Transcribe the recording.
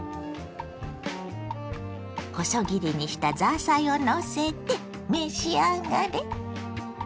細切りにしたザーサイをのせて召し上がれ。